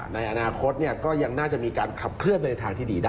ในอนาคตก็ยังน่าจะมีการขับเคลื่อนไปในทางที่ดีได้